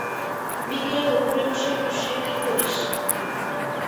বিকেলে ওপরে বসে বুসে কি কবিস?